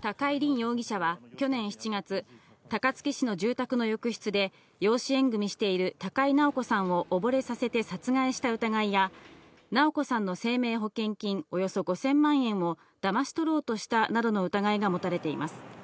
高井凜容疑者は去年７月、高槻市の住宅の浴室で養子縁組している高井直子さんを溺れさせて殺害した疑いや直子さんの生命保険金およそ５０００万円をだまし取ろうとしたなどの疑いが持たれています。